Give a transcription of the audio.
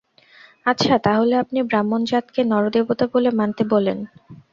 আচ্ছা, তা হলে আপনি ব্রাহ্মণ জাতকে নরদেবতা বলে মানতে বলেন?